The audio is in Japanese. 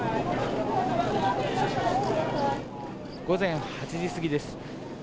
午前８時過ぎです。